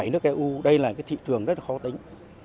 hai mươi bảy nước eu đây là cái thị trường rất là khó tính